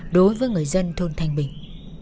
đối với người dân thôn thăng bình